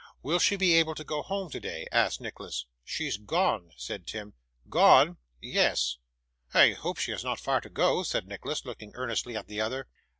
'Will she be able to go home today?' asked Nicholas. 'She's gone,' said Tim. 'Gone!' 'Yes.' 'I hope she has not far to go?' said Nicholas, looking earnestly at the other.